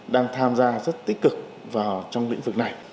đang tham gia rất tích cực vào trong lĩnh vực này